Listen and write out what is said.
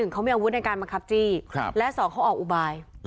เขามีอาวุธในการบังคับจี้และสองเขาออกอุบาย